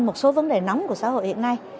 một số vấn đề nóng của xã hội hiện nay